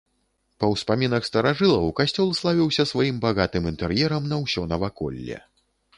Па ўспамінах старажылаў, касцёл славіўся сваім багатым інтэр'ерам на ўсё наваколле.